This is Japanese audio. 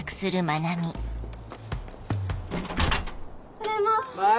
ただいま。